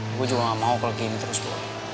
aku juga enggak mau kalau gini terus bu